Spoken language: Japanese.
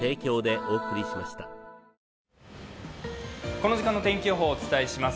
この時間の天気予報をお伝えします。